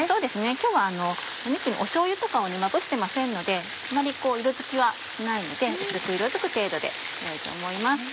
今日は肉にしょうゆとかをまぶしてませんのであまり色づきはないので薄く色づく程度でよいと思います。